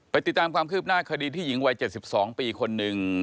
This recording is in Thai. ติดตามความคืบหน้าคดีที่หญิงวัย๗๒ปีคนหนึ่ง